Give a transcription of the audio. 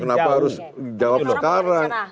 kenapa harus jawab sekarang